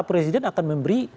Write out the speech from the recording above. presiden akan memberi